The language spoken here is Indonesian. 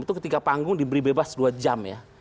itu ketika panggung diberi bebas dua jam ya